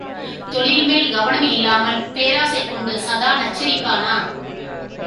தொழில்மேல் கவனம் இல்லாமல் பேராசை கொண்டு சதா நச்சரிப்பானா?